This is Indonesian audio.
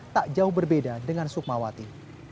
tak jauh berbeda dengan sukmawati